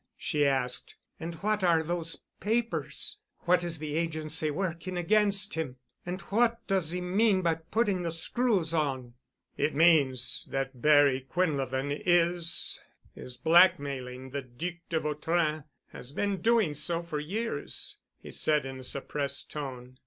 she asked. "And what are those papers? What is the agency working against him? And what does he mean by putting the screws on?" "It means that Barry Quinlevin is—is blackmailing the Duc de Vautrin—has been doing so for years," he said in a suppressed tone.